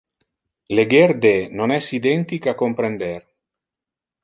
Leger de non es identic a comprender.